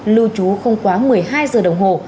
lưu trú không quá một mươi hai giờ đồng hồ